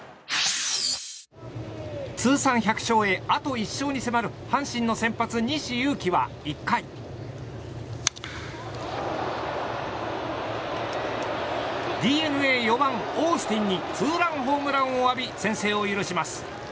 通算１００勝へあと１勝に迫る阪神の先発、西勇輝は１回ＤｅＮＡの４番、オースティンにツーランホームランを浴び先制を許します。